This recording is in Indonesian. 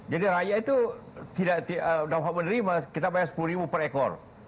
jadi rakyat itu tidak dapat menerima kita bayar sepuluh ribu per ekor